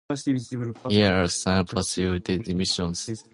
Here are some possible derivations.